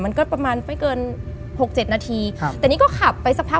มันก็ประมาณไม่เกิน๖๗นาทีแต่นี่ก็ขับไปสักพัก